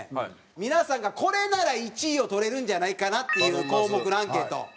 皆さんがこれなら１位をとれるんじゃないかなっていう項目のアンケート考えてもらいましたね。